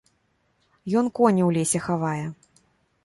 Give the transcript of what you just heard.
Ён коні ў лесе хавае.